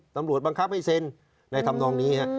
ตำรวจบังคับให้เซ็นในธรรมนองนี้ครับ